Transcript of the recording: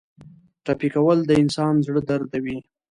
ټپي کول د انسان زړه دردوي.